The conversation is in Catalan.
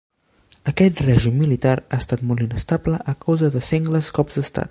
Aquest règim militar ha estat molt inestable a causa de sengles cops d'estat.